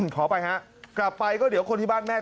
ขออภัยฮะกลับไปก็เดี๋ยวคนที่บ้านแม่